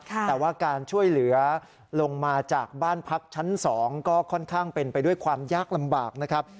แต่ว่าการช่วยเหลือลงมาจากบ้านพักชั้น๒ก็ค่อนข้างเป็นไปด้วยความยากลำบากนะครับ